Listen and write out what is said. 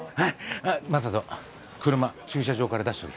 あっ眞人車駐車場から出しとけ。